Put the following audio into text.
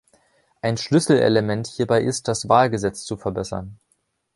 Ein Schlüsselelement hierbei ist, das Wahlgesetz zu verbessern.